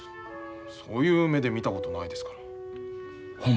そういう目で見たことないですから。